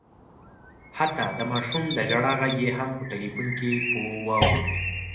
حتی د ماشوم د ژړا غږ یې هم په ټلیفون کي په واورېد